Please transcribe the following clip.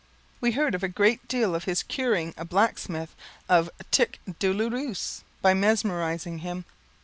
We had heard a great deal of his curing a blacksmith of tic douloureux by mesmerizing him.